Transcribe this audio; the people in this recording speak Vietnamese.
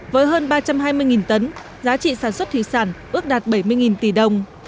với hơn ba trăm hai mươi tấn giá trị sản xuất thủy sản ước đạt bảy mươi tỷ đồng